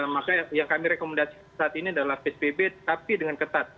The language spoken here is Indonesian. maka yang kami rekomendasikan saat ini adalah psbb tapi dengan ketat